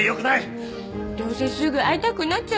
どうせすぐ会いたくなっちゃいますよ。